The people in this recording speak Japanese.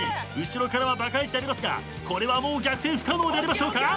後ろからはバカイジでありますがこれはもう逆転不可能でありましょうか？